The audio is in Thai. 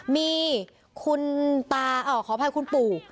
มีคอพัฒนคุณปู่